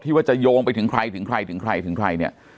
ว่าจะโยงไปถึงใครถึงใครถึงใครถึงใครเนี่ย